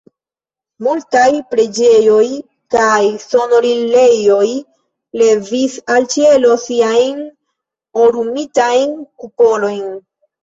Multaj preĝejoj kaj sonorilejoj levis al ĉielo siajn orumitajn kupolojn.